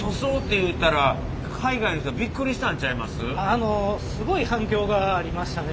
あのすごい反響がありましたね。